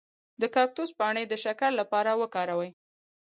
د کاکتوس پاڼې د شکر لپاره وکاروئ